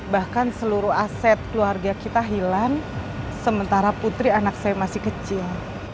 bahkan seluruh aset keluarga kita hilang sementara putri anak saya masih kecil